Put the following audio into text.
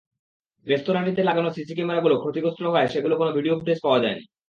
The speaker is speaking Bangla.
রেস্তোরাঁটিতে লাগানো সিসি ক্যামেরাগুলো ক্ষতিগ্রস্ত হওয়ায় সেগুলোর কোনো ভিডিও ফুটেজ পাওয়া যায়নি।